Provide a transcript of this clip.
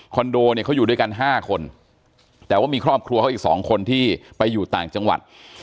โดเนี่ยเขาอยู่ด้วยกัน๕คนแต่ว่ามีครอบครัวเขาอีกสองคนที่ไปอยู่ต่างจังหวัด